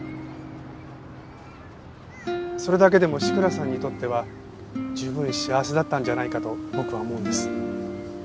それだけでも志倉さんにとっては十分幸せだったんじゃないかと僕は思うんです。